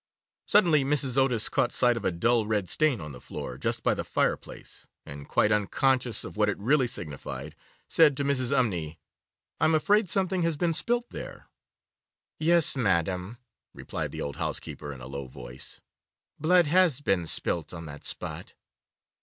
Suddenly Mrs. Otis caught sight of a dull red stain on the floor just by the fireplace and, quite unconscious of what it really signified, said to Mrs. Umney, 'I am afraid something has been spilt there.' 'Yes, madam,' replied the old housekeeper in a low voice, 'blood has been spilt on that spot.